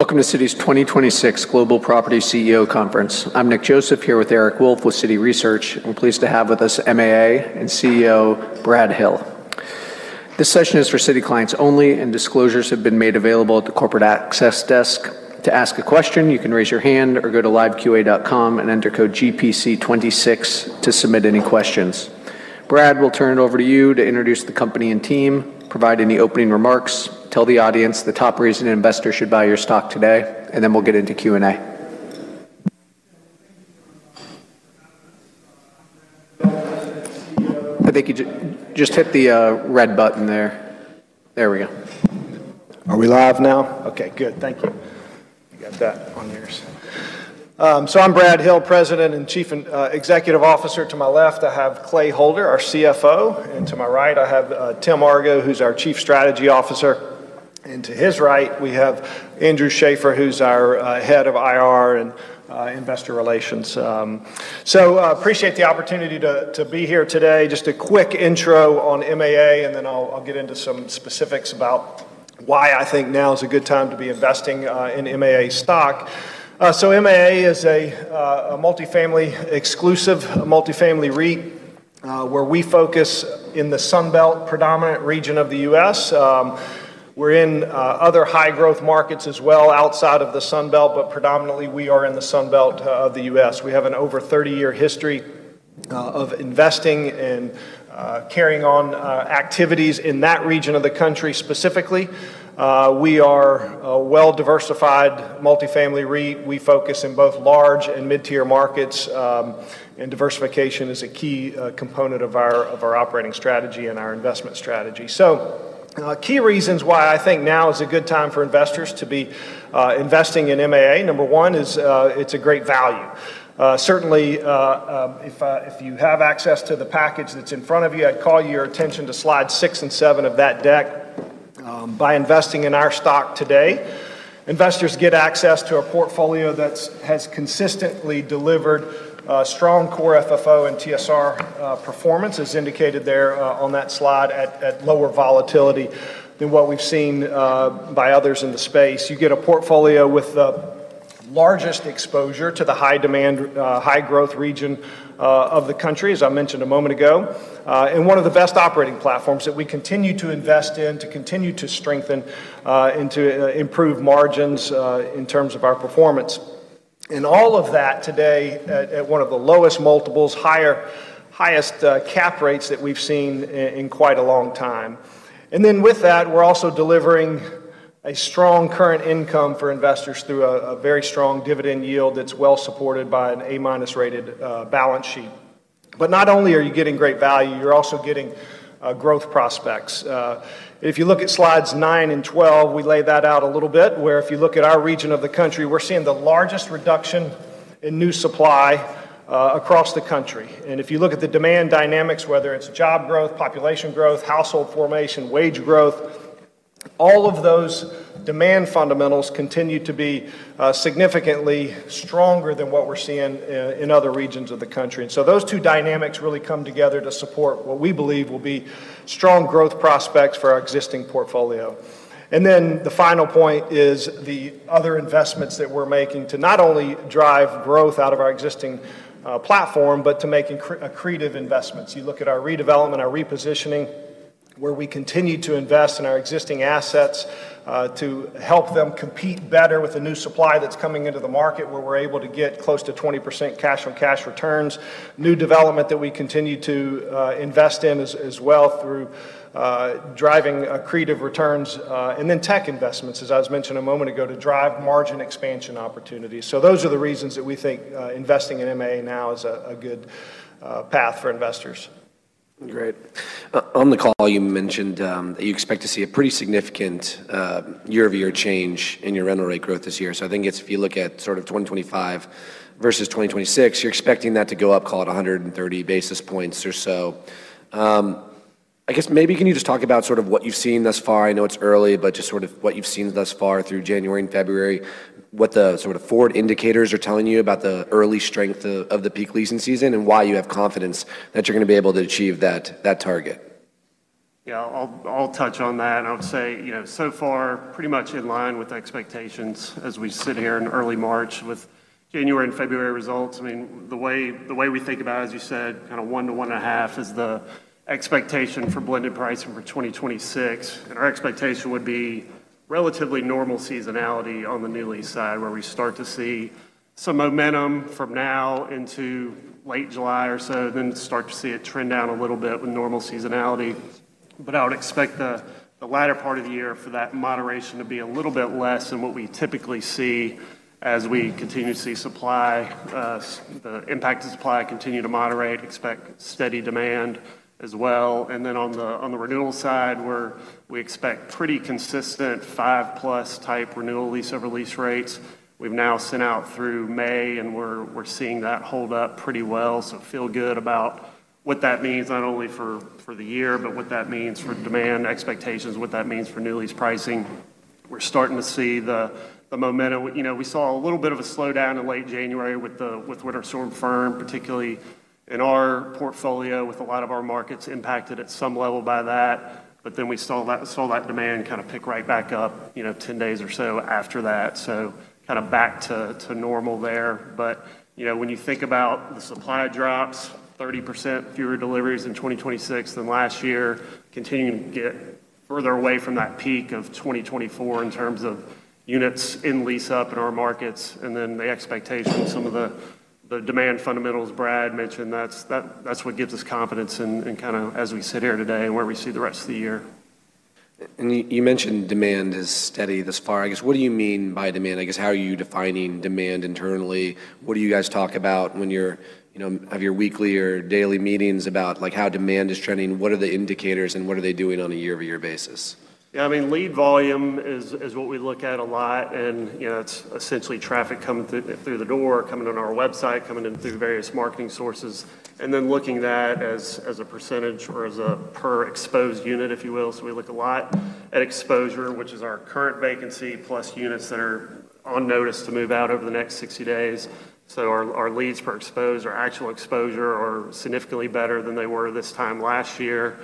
Welcome to Citi's 2026 Global Property CEO Conference. I'm Nick Joseph here with Eric Wolfe with Citi Research. I'm pleased to have with us MAA and CEO Brad Hill. This session is for Citi clients only, and disclosures have been made available at the corporate access desk. To ask a question, you can raise your hand or go to LiveQA.com and enter code GPC26 to submit any questions. Brad, we'll turn it over to you to introduce the company and team, provide any opening remarks, tell the audience the top reason an investor should buy your stock today, and then we'll get into Q&A. I think you just hit the red button there. There we go. Are we live now? Okay, good. Thank you. You got that on yours. I'm Brad Hill, President and Chief Executive Officer. To my left, I have Clay Holder, our CFO, and to my right, I have Tim Argo, who's our Chief Strategy Officer. To his right, we have Andrew Schaefer, who's our Head of IR and Investor Relations. Appreciate the opportunity to be here today. Just a quick intro on MAA, I'll get into some specifics about why I think now is a good time to be investing in MAA stock. MAA is a multifamily exclusive, a multifamily REIT, where we focus in the Sun Belt predominant region of the U.S. We're in other high-growth markets as well outside of the Sun Belt, but predominantly we are in the Sun Belt of the U.S. We have an over 30-year history of investing and carrying on activities in that region of the country specifically. We are a well-diversified multifamily REIT. We focus in both large and mid-tier markets, and diversification is a key component of our, of our operating strategy and our investment strategy. Key reasons why I think now is a good time for investors to be investing in MAA. Number one is, it's a great value. Certainly, if you have access to the package that's in front of you, I'd call your attention to slide 6 and 7 of that deck. By investing in our stock today, investors get access to a portfolio that has consistently delivered strong Core FFO and TSR performance, as indicated there on that slide at lower volatility than what we've seen by others in the space. You get a portfolio with the largest exposure to the high-demand, high-growth region of the country, as I mentioned a moment ago, and one of the best operating platforms that we continue to invest in, to continue to strengthen and to improve margins in terms of our performance. All of that today at one of the lowest multiples, highest cap rates that we've seen in quite a long time. With that, we're also delivering a strong current income for investors through a very strong dividend yield that's well supported by an A- rated balance sheet. Not only are you getting great value, you're also getting growth prospects. If you look at slides 9 and 12, we lay that out a little bit, where if you look at our region of the country, we're seeing the largest reduction in new supply across the country. If you look at the demand dynamics, whether it's job growth, population growth, household formation, wage growth, all of those demand fundamentals continue to be significantly stronger than what we're seeing in other regions of the country. Those two dynamics really come together to support what we believe will be strong growth prospects for our existing portfolio. The final point is the other investments that we're making to not only drive growth out of our existing platform, but to make accretive investments. You look at our redevelopment, our repositioning, where we continue to invest in our existing assets to help them compete better with the new supply that's coming into the market, where we're able to get close to 20% cash-on-cash returns. New development that we continue to invest in as well through driving accretive returns, and then tech investments, as I was mentioning a moment ago, to drive margin expansion opportunities. Those are the reasons that we think investing in MAA now is a good path for investors. Great. on the call, you mentioned that you expect to see a pretty significant year-over-year change in your rental rate growth this year. I think it's if you look at sort of 2025 versus 2026, you're expecting that to go up, call it, 130 basis points or so. I guess maybe can you just talk about sort of what you've seen thus far? I know it's early, but just sort of what you've seen thus far through January and February, what the sort of forward indicators are telling you about the early strength of the peak leasing season, and why you have confidence that you're gonna be able to achieve that target. Yeah, I'll touch on that. I would say, you know, so far pretty much in line with expectations as we sit here in early March with January and February results. I mean, the way we think about, as you said, kinda 1%-1.5% is the expectation for blended pricing for 2026. Our expectation would be relatively normal seasonality on the new lease side, where we start to see some momentum from now into late July or so, then start to see it trend down a little bit with normal seasonality. I would expect the latter part of the year for that moderation to be a little bit less than what we typically see as we continue to see supply, the impact to supply continue to moderate, expect steady demand as well. On the renewal side, we expect pretty consistent five-plus type renewal lease-over-lease rates. We've now sent out through May, and we're seeing that hold up pretty well, so feel good about what that means not only for the year, but what that means for demand expectations, what that means for new lease pricing. We're starting to see the momentum. You know, we saw a little bit of a slowdown in late January with the winter storm, particularly in our portfolio with a lot of our markets impacted at some level by that. We saw that demand kind of pick right back up, you know, 10 days or so after that. Kind of back to normal there. You know, when you think about the supply drops, 30% fewer deliveries in 2026 than last year, continuing to get further away from that peak of 2024 in terms of units in lease-up in our markets, and then the expectation, some of the demand fundamentals Brad mentioned, that's what gives us confidence and kind of as we sit here today and where we see the rest of the year. You, you mentioned demand is steady thus far. I guess, what do you mean by demand? I guess, how are you defining demand internally? What do you guys talk about when you're, you know, have your weekly or daily meetings about, like, how demand is trending? What are the indicators, and what are they doing on a year-over-year basis? I mean, lead volume is what we look at a lot, you know, it's essentially traffic coming through the door, coming on our website, coming in through various marketing sources, then looking at that as a percentage or as a per exposed unit, if you will. We look a lot at exposure, which is our current vacancy plus units that are on notice to move out over the next 60 days. Our leads per exposed or actual exposure are significantly better than they were this time last year.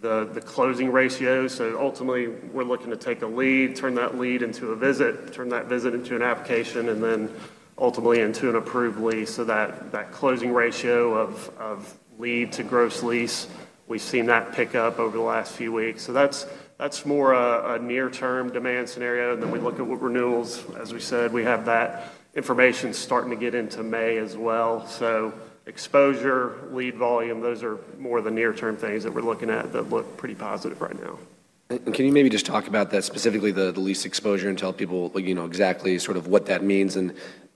The closing ratio. Ultimately, we're looking to take a lead, turn that lead into a visit, turn that visit into an application, then ultimately into an approved lease. That closing ratio of lead to gross lease, we've seen that pick up over the last few weeks. That's more a near-term demand scenario than we look at with renewals. As we said, we have that information starting to get into May as well. Exposure, lead volume, those are more the near-term things that we're looking at that look pretty positive right now. Can you maybe just talk about that, specifically the lease exposure, and tell people, you know, exactly sort of what that means?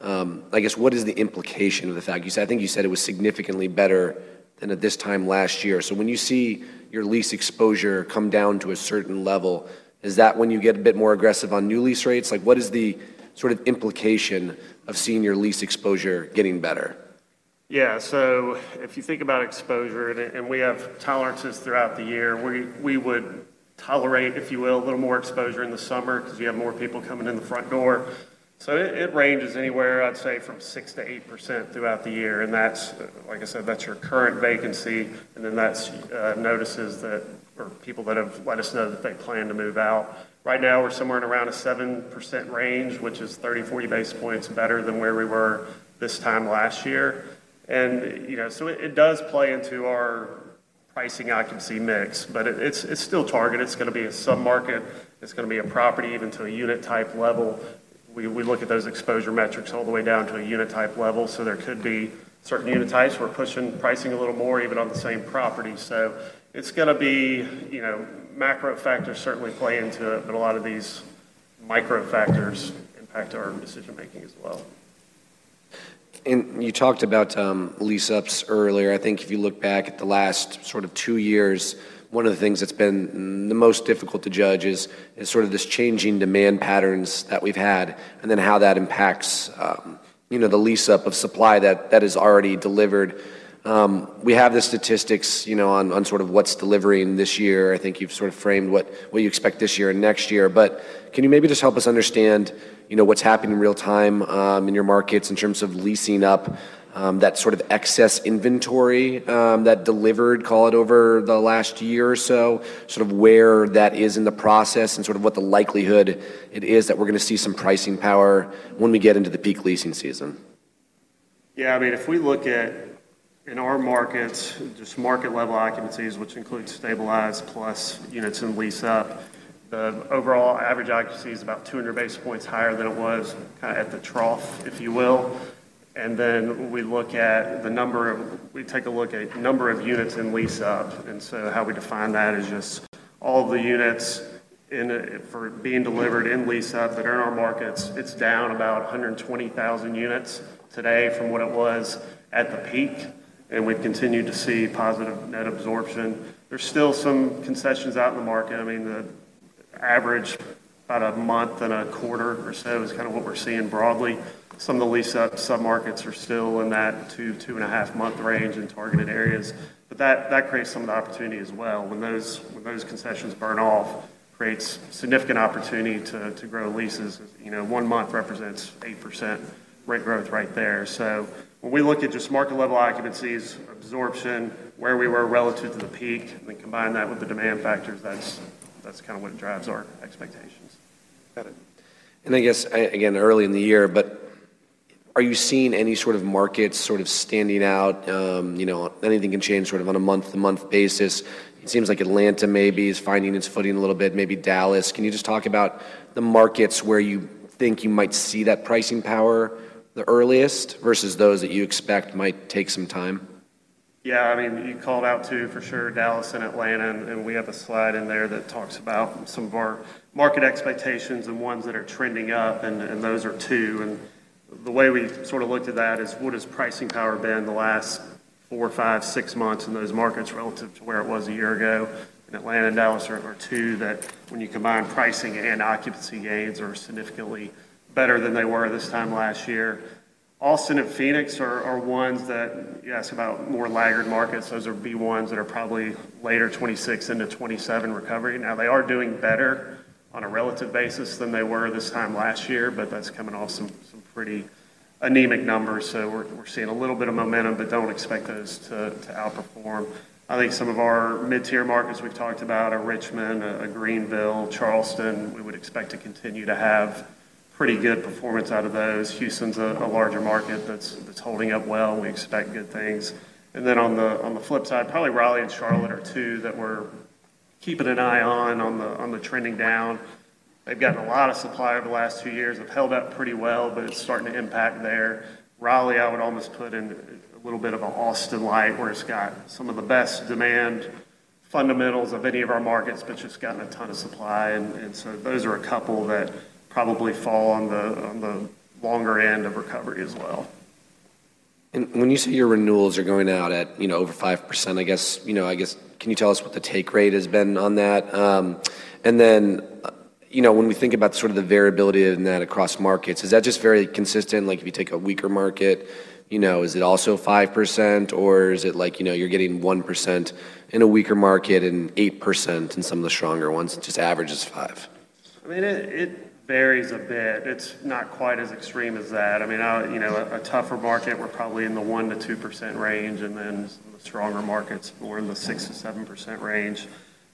I guess what is the implication of the fact. I think you said it was significantly better than at this time last year. When you see your lease exposure come down to a certain level, is that when you get a bit more aggressive on new lease rates? Like, what is the sort of implication of seeing your lease exposure getting better? Yeah. If you think about exposure, and we have tolerances throughout the year. We would tolerate, if you will, a little more exposure in the summer because we have more people coming in the front door. It ranges anywhere, I'd say, from 6%-8% throughout the year. That's, like I said, that's your current vacancy, and then that's notices that or people that have let us know that they plan to move out. Right now, we're somewhere in around a 7% range, which is 30, 40 basis points better than where we were this time last year. You know, it does play into our pricing occupancy mix. It's still target. It's gonna be a sub-market. It's gonna be a property even to a unit type level. We look at those exposure metrics all the way down to a unit type level. There could be certain unit types we're pushing pricing a little more even on the same property. It's gonna be, you know, macro factors certainly play into it, but a lot of these micro factors impact our decision-making as well. You talked about lease-ups earlier. I think if you look back at the last sort of two years, one of the things that's been the most difficult to judge is sort of this changing demand patterns that we've had and then how that impacts, you know, the lease-up of supply that is already delivered. We have the statistics, you know, on sort of what's delivering this year. I think you've sort of framed what you expect this year and next year. Can you maybe just help us understand, you know, what's happening in real time, in your markets in terms of leasing up, that sort of excess inventory, that delivered, call it, over the last year or so, sort of where that is in the process and sort of what the likelihood it is that we're gonna see some pricing power when we get into the peak leasing season? Yeah. I mean, if we look at in our markets, just market level occupancies, which includes stabilized plus units in lease-up, the overall average occupancy is about 200 base points higher than it was kinda at the trough, if you will. We look at the number of units in lease-up. How we define that is just all the units in for being delivered in lease-up that are in our markets. It's down about 120,000 units today from what it was at the peak, and we've continued to see positive net absorption. There's still some concessions out in the market. I mean, the average about a month and a quarter or so is kind of what we're seeing broadly. Some of the lease-up submarkets are still in that 2–2.5 month range in targeted areas. That creates some of the opportunity as well. When those concessions burn off, creates significant opportunity to grow leases. You know, one month represents 8% rate growth right there. When we look at just market level occupancies, absorption, where we were relative to the peak, and then combine that with the demand factors, that's kind of what drives our expectations. Got it. I guess again, early in the year, but are you seeing any sort of markets sort of standing out? you know, anything can change sort of on a month-to-month basis. It seems like Atlanta maybe is finding its footing a little bit, maybe Dallas. Can you just talk about the markets where you think you might see that pricing power the earliest versus those that you expect might take some time? I mean, you called out too, for sure, Dallas and Atlanta, we have a slide in there that talks about some of our market expectations and ones that are trending up, and those are two. The way we've sort of looked at that is what has pricing power been the last four, five, six months in those markets relative to where it was a year ago. Atlanta and Dallas are two that when you combine pricing and occupancy gains are significantly better than they were this time last year. Austin and Phoenix are ones that you ask about more laggard markets. Those are B1s that are probably later 2026 into 2027 recovery. They are doing better on a relative basis than they were this time last year, but that's coming off some pretty anemic numbers. We're seeing a little bit of momentum, but don't expect those to outperform. I think some of our mid-tier markets we've talked about are Richmond, Greenville, Charleston. We would expect to continue to have pretty good performance out of those. Houston's a larger market that's holding up well. We expect good things. On the flip side, probably Raleigh and Charlotte are two that we're keeping an eye on the trending down. They've gotten a lot of supply over the last few years. They've held up pretty well, but it's starting to impact there. Raleigh, I would almost put in a little bit of an Austin light, where it's got some of the best demand fundamentals of any of our markets, but just gotten a ton of supply. Those are a couple that probably fall on the, on the longer end of recovery as well. When you say your renewals are going out at, you know, over 5%, I guess, you know, can you tell us what the take rate has been on that? You know, when we think about sort of the variability in that across markets, is that just very consistent? Like, if you take a weaker market, you know, is it also 5%, or is it like, you know, you're getting 1% in a weaker market and 8% in some of the stronger ones? It just averages 5%. I mean, it varies a bit. It's not quite as extreme as that. I mean, you know, a tougher market, we're probably in the 1%-2% range, some of the stronger markets, more in the 6%-7% range.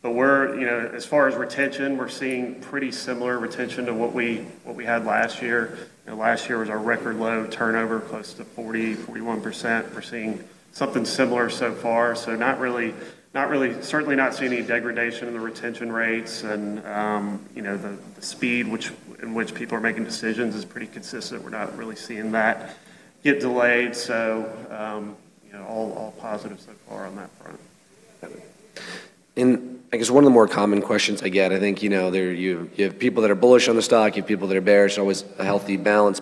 We're, you know, as far as retention, we're seeing pretty similar retention to what we had last year. You know, last year was our record low turnover, close to 40%-41%. We're seeing something similar so far. Not really, certainly not seeing any degradation in the retention rates. You know, the speed in which people are making decisions is pretty consistent. We're not really seeing that get delayed. You know, all positive so far on that front. I guess one of the more common questions I get, I think, you know, there you have people that are bullish on the stock, you have people that are bearish, always a healthy balance.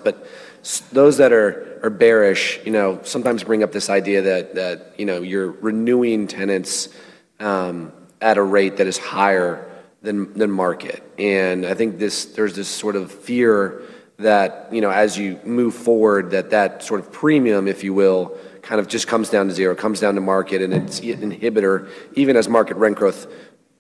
Those that are bearish, you know, sometimes bring up this idea that, you know, you're renewing tenants at a rate that is higher than market. I think there's this sort of fear that, you know, as you move forward, that sort of premium, if you will, kind of just comes down to zero, comes down to market, and it's an inhibitor even as market rent growth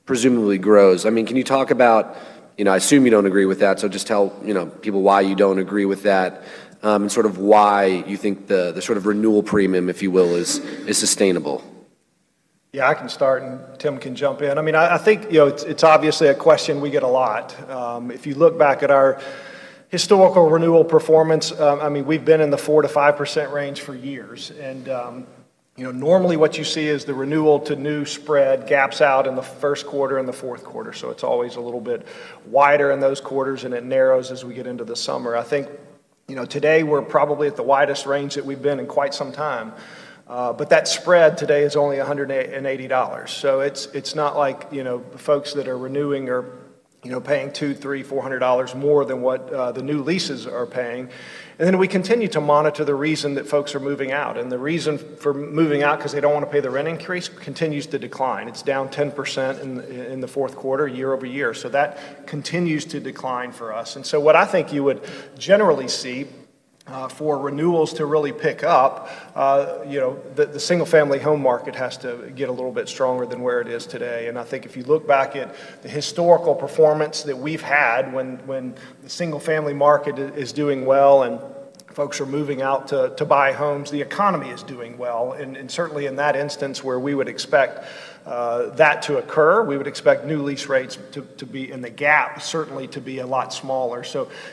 presumably grows. I mean, can you talk about... You know, I assume you don't agree with that, so just tell, you know, people why you don't agree with that, and sort of why you think the sort of renewal premium, if you will, is sustainable. Yeah, I can start, and Tim can jump in. I mean, I think, you know, it's obviously a question we get a lot. If you look back at our historical renewal performance, I mean, we've been in the 4%-5% range for years. You know, normally what you see is the renewal to new spread gaps out in the first quarter and the fourth quarter. It's always a little bit wider in those quarters, and it narrows as we get into the summer. I think, you know, today we're probably at the widest range that we've been in quite some time. That spread today is only $180. It's not like, you know, the folks that are renewing are, you know, paying $200, $300, $400 more than what the new leases are paying. We continue to monitor the reason that folks are moving out. The reason for moving out because they don't want to pay the rent increase continues to decline. It's down 10% in the fourth quarter, year-over-year. That continues to decline for us. What I think you would generally see for renewals to really pick up, you know, the single-family home market has to get a little bit stronger than where it is today. I think if you look back at the historical performance that we've had when the single-family market is doing well and folks are moving out to buy homes, the economy is doing well. Certainly in that instance where we would expect that to occur, we would expect new lease rates to be in the gap, certainly to be a lot smaller.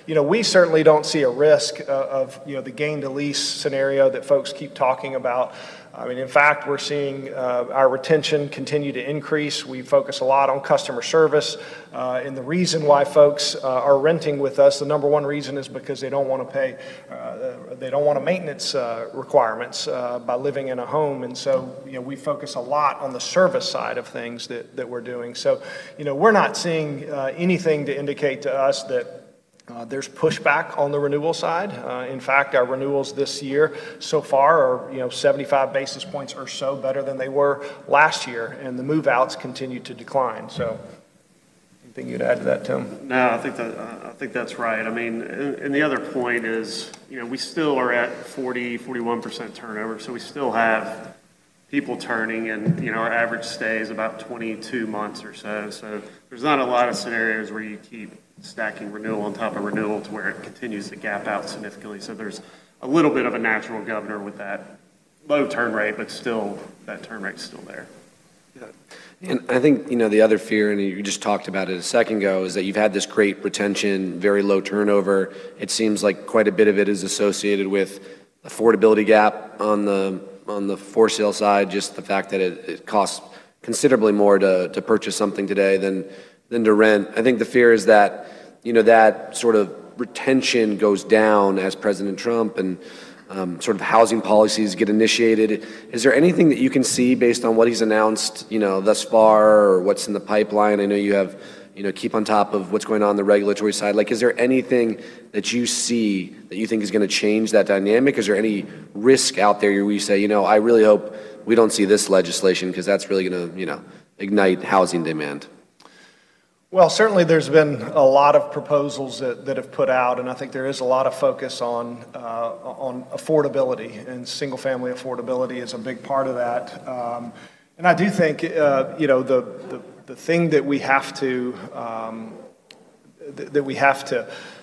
You know, we certainly don't see a risk of, you know, the gain to lease scenario that folks keep talking about. I mean, in fact, we're seeing our retention continue to increase. We focus a lot on customer service. And the reason why folks are renting with us, the number one reason is because they don't wanna pay, they don't want a maintenance requirements by living in a home. You know, we focus a lot on the service side of things that we're doing. You know, we're not seeing anything to indicate to us that there's pushback on the renewal side. In fact, our renewals this year so far are, you know, 75 basis points or so better than they were last year, and the move-outs continue to decline. Anything you'd add to that, Tim? No, I think that, I think that's right. I mean, the other point is, you know, we still are at 40%, 41% turnover, we still have people turning, and, you know, our average stay is about 22 months or so. There's not a lot of scenarios where you keep stacking renewal on top of renewal to where it continues to gap out significantly. There's a little bit of a natural governor with that low turn rate, but still, that turn rate's still there. Yeah. I think, you know, the other fear, and you just talked about it a second ago, is that you've had this great retention, very low turnover. It seems like quite a bit of it is associated with affordability gap on the, on the for-sale side, just the fact that it costs considerably more to purchase something today than to rent. I think the fear is that, you know, that sort of retention goes down as President Trump and sort of housing policies get initiated. Is there anything that you can see based on what he's announced, you know, thus far or what's in the pipeline? I know you know, keep on top of what's going on the regulatory side. Like, is there anything that you see that you think is gonna change that dynamic? Is there any risk out there where you say, "You know, I really hope we don't see this legislation because that's really gonna, you know, ignite housing demand"? Well, certainly there's been a lot of proposals that have put out, and I think there is a lot of focus on affordability, and single-family affordability is a big part of that. I do think, you know, the thing that we have to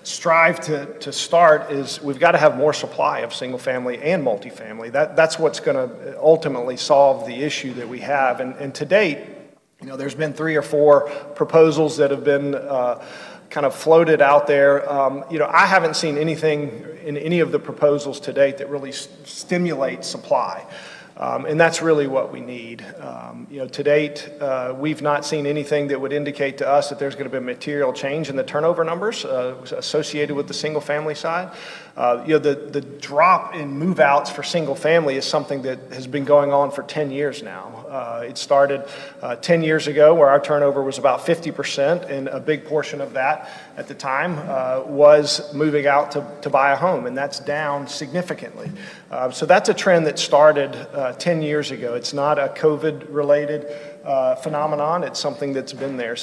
strive to start is we've gotta have more supply of single-family and multifamily. That's what's gonna ultimately solve the issue that we have. To date, you know, there's been three or four proposals that have been kind of floated out there. You know, I haven't seen anything in any of the proposals to date that really stimulate supply. That's really what we need. You know, to date, we've not seen anything that would indicate to us that there's gonna be a material change in the turnover numbers associated with the single-family side. You know, the drop in move-outs for single family is something that has been going on for 10 years now. It started 10 years ago, where our turnover was about 50%, and a big portion of that at the time, was moving out to buy a home, and that's down significantly. That's a trend that started 10 years ago. It's not a COVID-related phenomenon. It's something that's been there.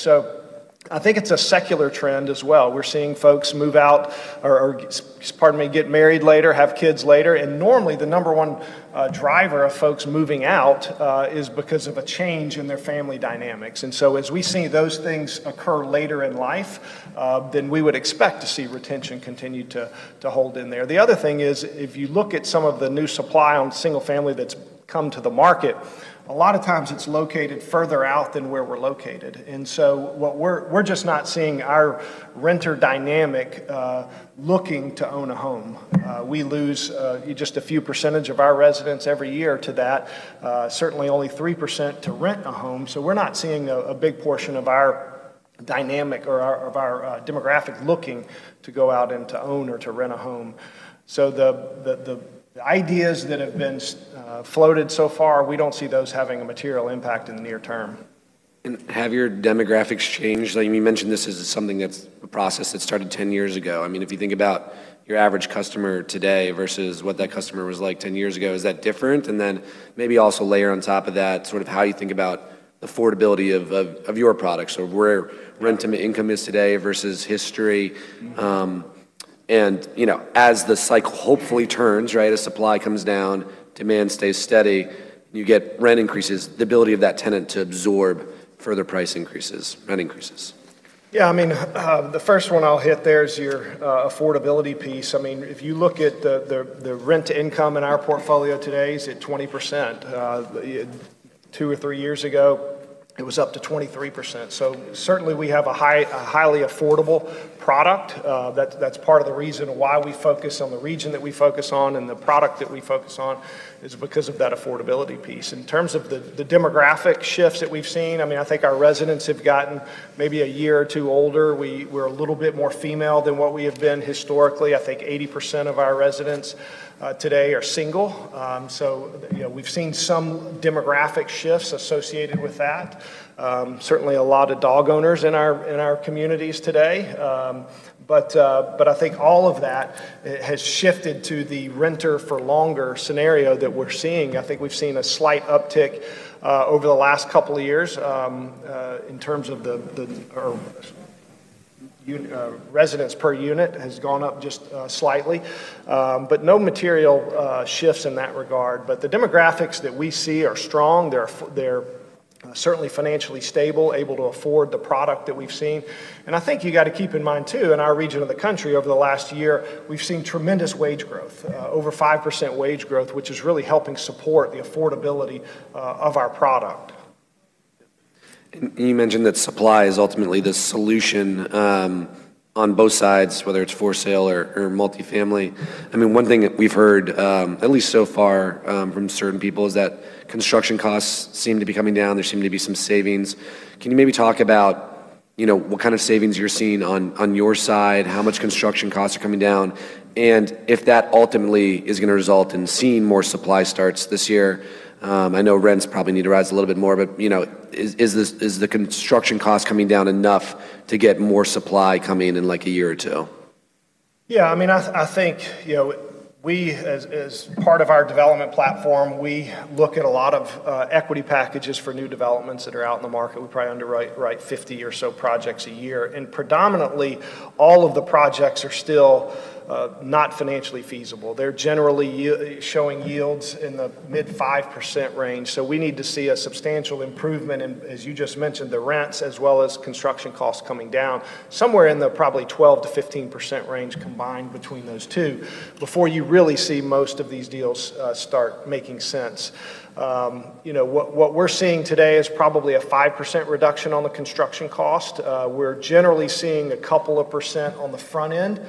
I think it's a secular trend as well. We're seeing folks move out or, pardon me, get married later, have kids later. Normally, the number one driver of folks moving out is because of a change in their family dynamics. As we see those things occur later in life, then we would expect to see retention continue to hold in there. The other thing is, if you look at some of the new supply on single family that's come to the market, a lot of times it's located further out than where we're located. What we're just not seeing our renter dynamic looking to own a home. We lose just a few percentage of our residents every year to that, certainly only 3% to rent a home. We're not seeing a big portion of our dynamic or our demographic looking to go out and to own or to rent a home. The ideas that have been floated so far, we don't see those having a material impact in the near term. Have your demographics changed? Like, you mentioned this is something that's a process that started 10 years ago. I mean, if you think about your average customer today versus what that customer was like 10 years ago, is that different? Then maybe also layer on top of that sort of how you think about affordability of your products or where rent-to-income is today versus history. You know, as the cycle hopefully turns, right, as supply comes down, demand stays steady, you get rent increases, the ability of that tenant to absorb further price increases, rent increases. Yeah, I mean, the first one I'll hit there is your affordability piece. I mean, if you look at the rent income in our portfolio today is at 20%. Two or three years ago, it was up to 23%. Certainly we have a highly affordable product. That's part of the reason why we focus on the region that we focus on and the product that we focus on is because of that affordability piece. In terms of the demographic shifts that we've seen, I mean, I think our residents have gotten maybe a year or two older. We're a little bit more female than what we have been historically. I think 80% of our residents today are single. You know, we've seen some demographic shifts associated with that. Certainly a lot of dog owners in our communities today. I think all of that has shifted to the renter for longer scenario that we're seeing. I think we've seen a slight uptick over the last couple of years in terms of the residents per unit has gone up just slightly. No material shifts in that regard. The demographics that we see are strong. They're certainly financially stable, able to afford the product that we've seen. I think you gotta keep in mind too, in our region of the country over the last year, we've seen tremendous wage growth over 5% wage growth, which is really helping support the affordability of our product. You mentioned that supply is ultimately the solution, on both sides, whether it's for sale or multifamily. I mean, one thing that we've heard, at least so far, from certain people is that construction costs seem to be coming down. There seem to be some savings. Can you maybe talk about, you know, what kind of savings you're seeing on your side? How much construction costs are coming down? If that ultimately is gonna result in seeing more supply starts this year, I know rents probably need to rise a little bit more, but, you know, is the construction cost coming down enough to get more supply coming in in like a year or two? I mean, I think, you know, we as part of our development platform, we look at a lot of equity packages for new developments that are out in the market. We probably underwrite, right, 50 or so projects a year. Predominantly, all of the projects are still not financially feasible. They're generally showing yields in the mid 5% range. We need to see a substantial improvement in, as you just mentioned, the rents as well as construction costs coming down somewhere in the probably 12%-15% range combined between those two before you really see most of these deals start making sense. You know, what we're seeing today is probably a 5% reduction on the construction cost. We're generally seeing a couple of percent on the front end.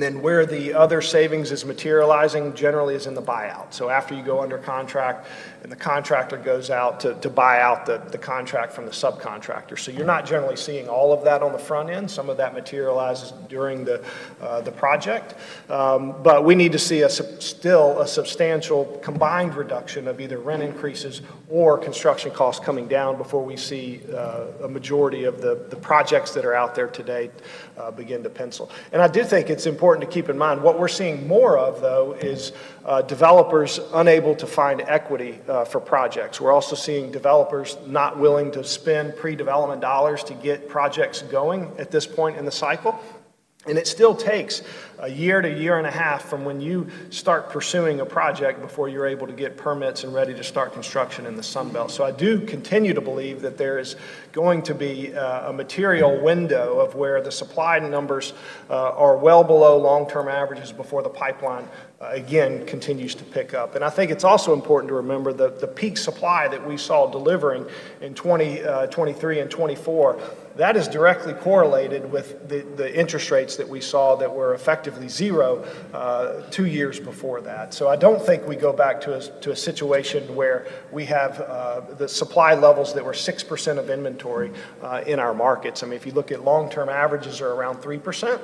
Where the other savings is materializing generally is in the buyout. After you go under contract and the contractor goes out to buy out the contract from the subcontractor. You're not generally seeing all of that on the front end. Some of that materializes during the project. We need to see still a substantial combined reduction of either rent increases or construction costs coming down before we see a majority of the projects that are out there today begin to pencil. I do think it's important to keep in mind what we're seeing more of, though, is developers unable to find equity for projects. We're also seeing developers not willing to spend pre-development dollars to get projects going at this point in the cycle. It still takes one year to a year and a half from when you start pursuing a project before you're able to get permits and ready to start construction in the Sun Belt. I do continue to believe that there is going to be a material window of where the supply numbers are well below long-term averages before the pipeline again continues to pick up. I think it's also important to remember that the peak supply that we saw delivering in 2023 and 2024, that is directly correlated with the interest rates that we saw that were effectively zero, two years before that. I don't think we go back to a situation where we have the supply levels that were 6% of inventory in our markets. I mean, if you look at long-term averages are around 3%.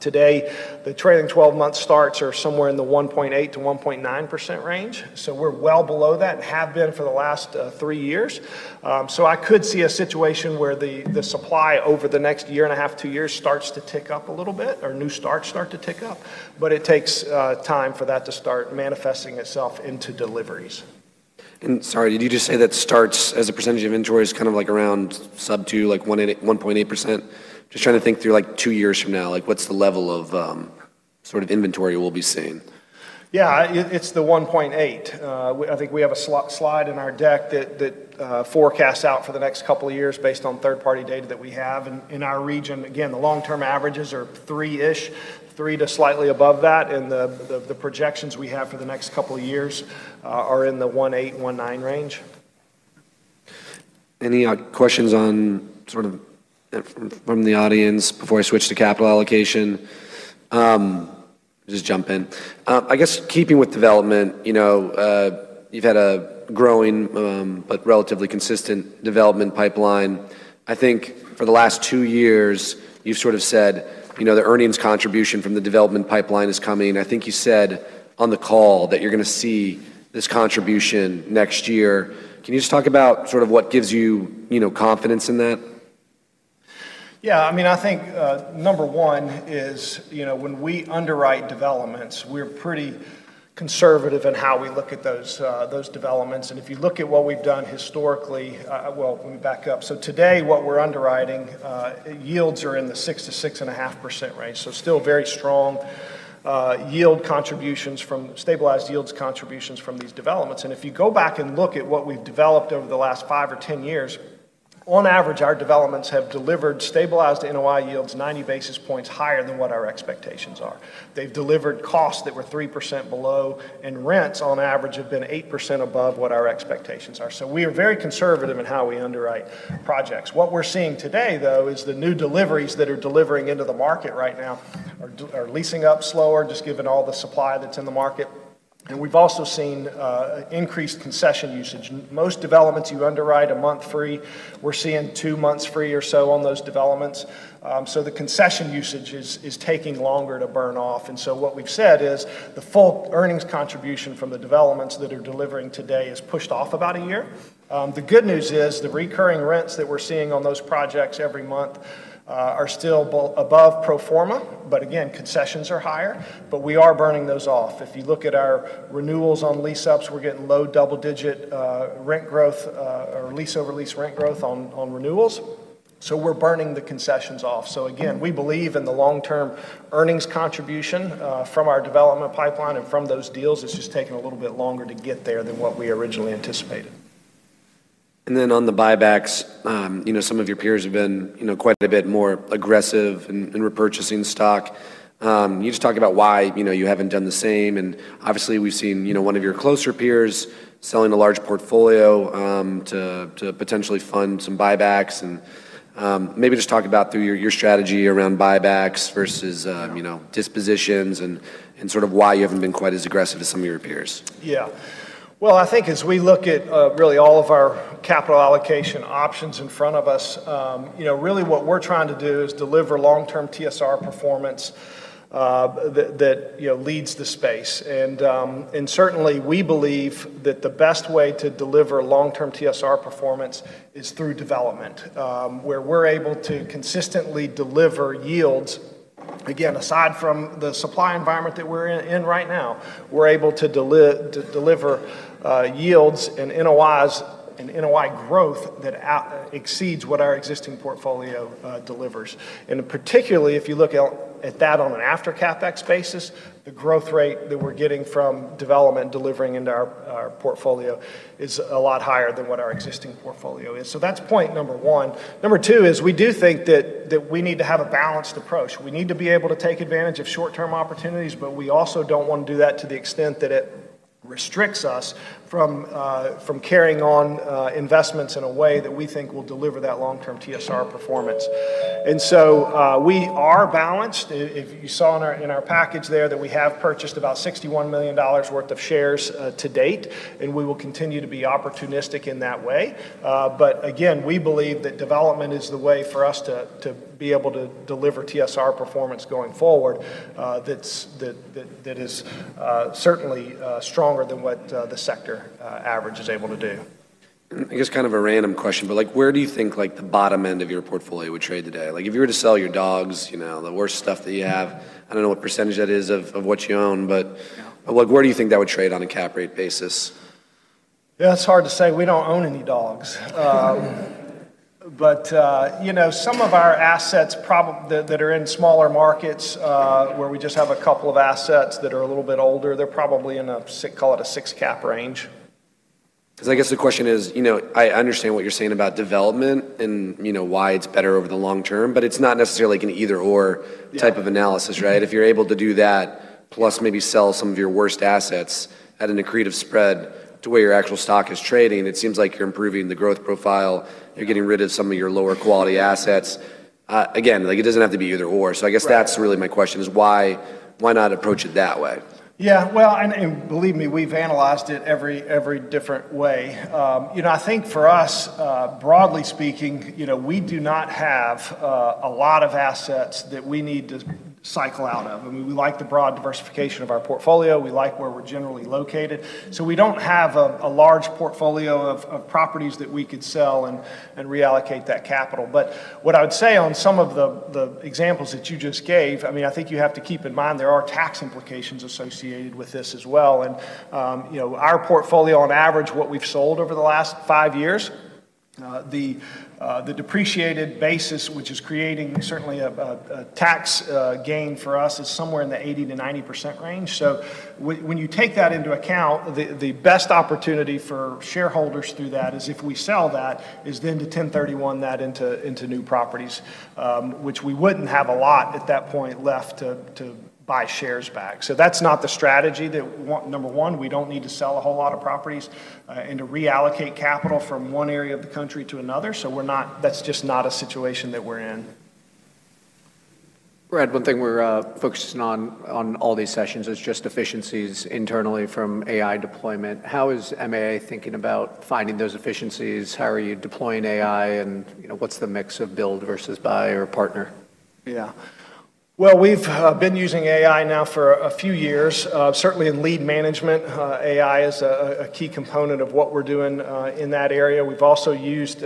Today, the trailing 12-month starts are somewhere in the 1.8%-1.9% range. We're well below that and have been for the last three years. I could see a situation where the supply over the next year and a half, two years starts to tick up a little bit or new starts start to tick up. It takes time for that to start manifesting itself into deliveries. Sorry, did you just say that starts as a percentage of inventory is kind of like around sub two, like 1.8%? Just trying to think through like two years from now, like what's the level of sort of inventory we'll be seeing? Yeah, it's the 1.8%. I think we have a slide in our deck that forecasts out for the next couple of years based on third-party data that we have in our region. Again, the long-term averages are three-ish, three to slightly above that. The projections we have for the next couple of years are in the 1.8%-1.9% range. Any questions on sort of from the audience before I switch to capital allocation? Just jump in. I guess keeping with development, you know, you've had a growing but relatively consistent development pipeline. I think for the last two years, you've sort of said, you know, the earnings contribution from the development pipeline is coming. I think you said on the call that you're going to see this contribution next year. Can you just talk about sort of what gives you know, confidence in that? I mean, I think number one is, you know, when we underwrite developments, we're pretty conservative in how we look at those developments. If you look at what we've done historically, well, let me back up. Today what we're underwriting yields are in the 6%-6.5% range. Still very strong yield contributions from stabilized yields contributions from these developments. If you go back and look at what we've developed over the last five or 10 years, on average, our developments have delivered stabilized NOI yields 90 basis points higher than what our expectations are. They've delivered costs that were 3% below and rents on average have been 8% above what our expectations are. We are very conservative in how we underwrite projects. What we're seeing today, though, is the new deliveries that are delivering into the market right now are leasing up slower, just given all the supply that's in the market. We've also seen increased concession usage. Most developments you underwrite one month free. We're seeing two months free or so on those developments. The concession usage is taking longer to burn off. What we've said is the full earnings contribution from the developments that are delivering today is pushed off about one year. The good news is the recurring rents that we're seeing on those projects every month are still above pro forma. Again, concessions are higher, but we are burning those off. If you look at our renewals on lease-ups, we're getting low double-digit rent growth or lease-over-lease rent growth on renewals. We're burning the concessions off. Again, we believe in the long term earnings contribution from our development pipeline and from those deals. It's just taking a little bit longer to get there than what we originally anticipated. On the buybacks, you know, some of your peers have been, you know, quite a bit more aggressive in repurchasing stock. You just talk about why, you know, you haven't done the same? Obviously we've seen, you know, one of your closer peers selling a large portfolio to potentially fund some buybacks. Maybe just talk about through your strategy around buybacks versus, you know, dispositions and sort of why you haven't been quite as aggressive as some of your peers? Yeah. Well, I think as we look at really all of our capital allocation options in front of us, you know, really what we're trying to do is deliver long term TSR performance that leads the space. Certainly we believe that the best way to deliver long term TSR performance is through development, where we're able to consistently deliver yields. Again, aside from the supply environment that we're in right now, we're able to deliver yields and NOI growth that exceeds what our existing portfolio delivers. Particularly if you look at that on an after CapEx basis, the growth rate that we're getting from development delivering into our portfolio is a lot higher than what our existing portfolio is. That's point number one. Number two is we do think that we need to have a balanced approach. We need to be able to take advantage of short term opportunities, but we also don't want to do that to the extent that it restricts us from carrying on investments in a way that we think will deliver that long term TSR performance. We are balanced. If you saw in our package there that we have purchased about $61 million worth of shares to date, and we will continue to be opportunistic in that way. Again, we believe that development is the way for us to be able to deliver TSR performance going forward that is certainly stronger than what the sector average is able to do. I guess kind of a random question, but like where do you think like the bottom end of your portfolio would trade today? Like if you were to sell your dogs, you know, the worst stuff that you have, I don't know what percentage that is of what you own, but like where do you think that would trade on a cap rate basis? Yeah, it's hard to say. We don't own any dogs. You know, some of our assets that are in smaller markets, where we just have a couple of assets that are a little bit older, they're probably in a call it a six cap range. 'Cause I guess the question is, you know, I understand what you're saying about development and, you know, why it's better over the long term, but it's not necessarily an either/or type of analysis, right? If you're able to do that plus maybe sell some of your worst assets at an accretive spread to where your actual stock is trading, it seems like you're improving the growth profile, you're getting rid of some of your lower quality assets. again, like, it doesn't have to be either/or. I guess that's really my question is why not approach it that way? Yeah. Well, and believe me, we've analyzed it every different way. You know, I think for us, broadly speaking, you know, we do not have a lot of assets that we need to cycle out of. I mean, we like the broad diversification of our portfolio. We like where we're generally located. We don't have a large portfolio of properties that we could sell and reallocate that capital. What I would say on some of the examples that you just gave, I mean, I think you have to keep in mind there are tax implications associated with this as well. You know, our portfolio on average, what we've sold over the last five years, the depreciated basis, which is creating certainly a tax gain for us is somewhere in the 80%-90% range. When you take that into account, the best opportunity for shareholders through that is if we sell that, is then to 1031 that into new properties, which we wouldn't have a lot at that point left to buy shares back. That's not the strategy that—number one, we don't need to sell a whole lot of properties and to reallocate capital from one area of the country to another. That's just not a situation that we're in. Brad, one thing we're focusing on all these sessions is just efficiencies internally from AI deployment. How is MAA thinking about finding those efficiencies? How are you deploying AI? You know, what's the mix of build versus buy or partner? Well, we've been using AI now for a few years. Certainly in lead management, AI is a key component of what we're doing in that area. We've also used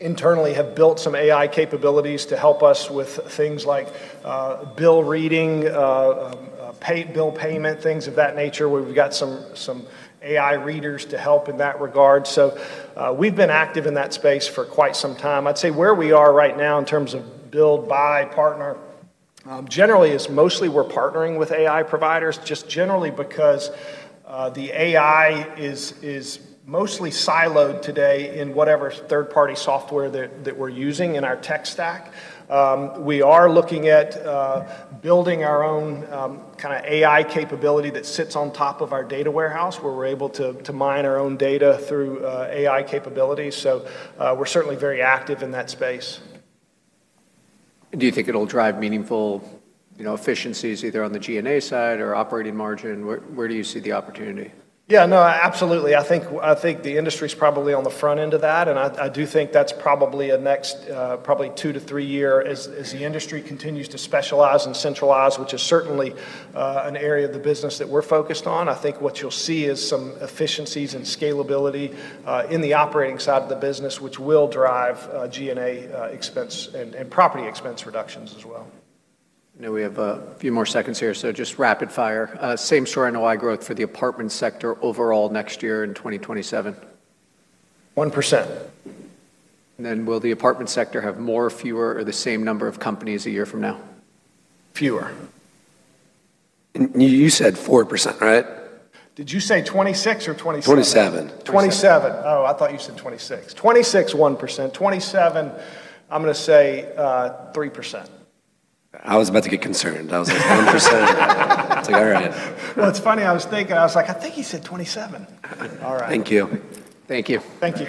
internally have built some AI capabilities to help us with things like bill reading, bill payment, things of that nature, where we've got some AI readers to help in that regard. We've been active in that space for quite some time. I'd say where we are right now in terms of build, buy, partner, generally is mostly we're partnering with AI providers just generally because the AI is mostly siloed today in whatever third-party software that we're using in our tech stack. We are looking at building our own kind of AI capability that sits on top of our data warehouse, where we're able to mine our own data through AI capabilities. We're certainly very active in that space. Do you think it'll drive meaningful, you know, efficiencies either on the G&A side or operating margin? Where, where do you see the opportunity? Yeah, no, absolutely. I think the industry's probably on the front end of that, and I do think that's probably a next, probably two to three year as the industry continues to specialize and centralize, which is certainly an area of the business that we're focused on. I think what you'll see is some efficiencies and scalability in the operating side of the business, which will drive G&A expense and property expense reductions as well. I know we have a few more seconds here, so just rapid fire. Same story on ROI growth for the apartment sector overall next year in 2027. 1%. Will the apartment sector have more, fewer, or the same number of companies a year from now? Fewer. You said 4%, right? Did you say 2026 or 2027? 2027. 2027. Oh, I thought you said 2026. 2026, 1%. 2027, I'm gonna say, 3%. I was about to get concerned. I was like 1%. It's like, all right. Well, it's funny, I was thinking, I was like, "I think he said 2027." All right. Thank you. Thank you. Thank you.